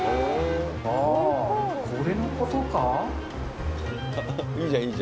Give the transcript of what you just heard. ああ、これのことか？